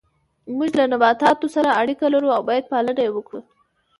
موږ له نباتاتو سره اړیکه لرو او باید پالنه یې وکړو